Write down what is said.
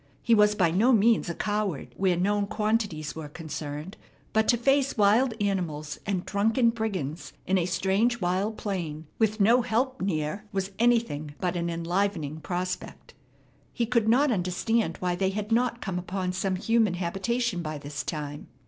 He was by no means a coward where known quantities were concerned, but to face wild animals and drunken brigands in a strange, wild plain with no help near was anything but an enlivening prospect. He could not understand why they had not come upon some human habitation by this time.